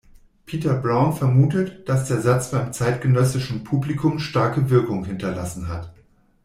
Peter Brown vermutet, dass der Satz beim zeitgenössischen Publikum starke Wirkung hinterlassen hat.